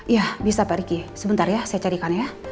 ya bisa pak ricky sebentar ya saya carikan ya